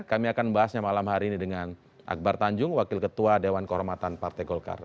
kami akan membahasnya malam hari ini dengan akbar tanjung wakil ketua dewan kehormatan partai golkar